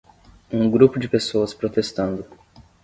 Um grupo de pessoas protestando.